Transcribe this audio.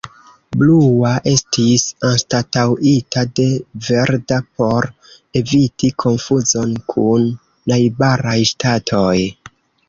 Blua estis anstataŭita de verda por eviti konfuzon kun najbaraj ŝtatoj.